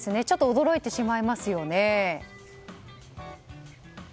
ちょっと驚いてしまいますね。